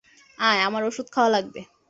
আয়, আমার ঔষধ খাওয়া লাগবে।